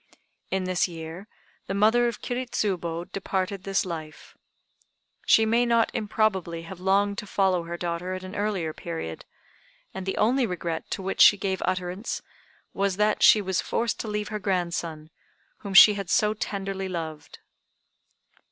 In this year, the mother of Kiri Tsubo departed this life. She may not improbably have longed to follow her daughter at an earlier period; and the only regret to which she gave utterance, was that she was forced to leave her grandson, whom she had so tenderly loved.